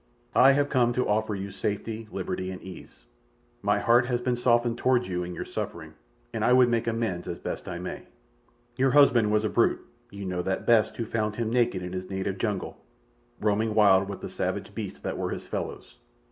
"I have come to offer you safety, liberty, and ease. My heart has been softened toward you in your suffering, and I would make amends as best I may. "Your husband was a brute—you know that best who found him naked in his native jungle, roaming wild with the savage beasts that were his fellows.